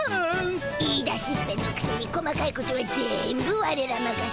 言いだしっぺのくせに細かいことは全部ワレらまかせ。